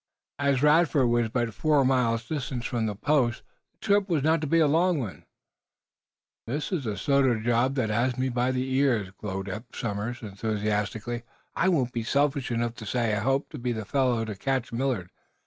As Radford was but four miles distant from the post the trip was not to be a long one. "This is the sort of job that has me by the ears," glowed Eph Somers, enthusiastically. "I won't be selfish enough to say I hope to be the fellow to catch Millard.